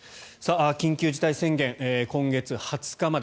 緊急事態宣言、今月２０日まで。